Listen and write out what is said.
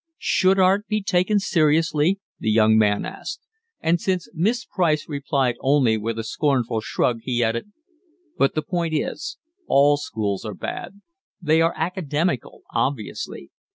"Should art be taken seriously?" the young man asked; and since Miss Price replied only with a scornful shrug, he added: "But the point is, all schools are bad. They are academical, obviously.